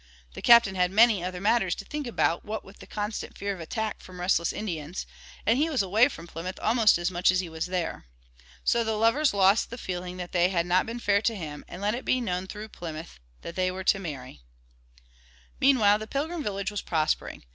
The Captain had many other matters to think about, what with the constant fear of attack from restless Indians, and he was away from Plymouth almost as much as he was there. So the lovers lost the feeling that they had not been fair to him, and let it be known through Plymouth that they were to marry. Meanwhile the Pilgrim village was prospering.